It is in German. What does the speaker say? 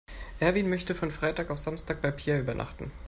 Erwin möchte von Freitag auf Samstag bei Peer übernachten.